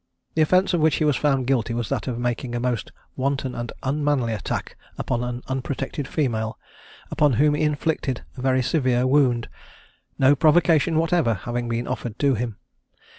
The offence of which he was found guilty was that of making a most wanton and unmanly attack upon an unprotected female, upon whom he inflicted a very severe wound, no provocation whatever having been offered to him.